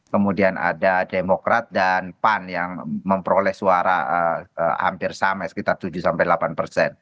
kemudian ada demokrat dan pan yang memperoleh suara hampir sama sekitar tujuh sampai delapan persen